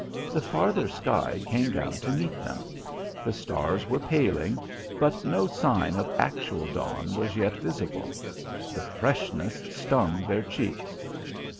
The farther sky came down to meet them. The stars were paling, but no sign of actual dawn was yet visible. The freshness stung their cheeks.